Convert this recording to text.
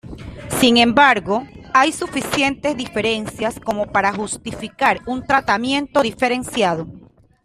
Sin embargo, hay suficientes diferencias como para justificar un tratamiento diferenciado.